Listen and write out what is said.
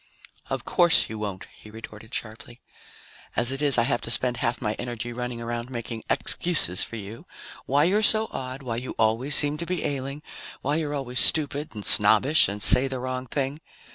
"Of course you won't," he retorted sharply. "As it is, I have to spend half my energy running around making excuses for you why you're so odd, why you always seem to be ailing, why you're always stupid and snobbish and say the wrong thing.